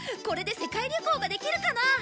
これで世界旅行ができるかな？